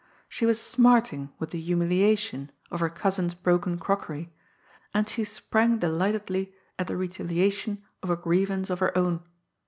She was smarting with the humiliation of her cousin's broken crockery, and she sprang delightedly at the retaliation of a grievance of her own.